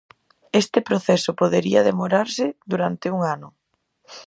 Este proceso podería demorarse durante un ano.